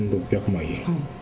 １６００万円。